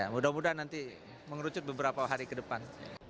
mudah mudahan nanti mengerucut beberapa hari ke depan